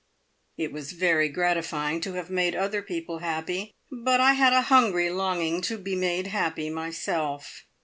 It was very gratifying to have made other people happy, but I had a hungry longing to be made happy myself.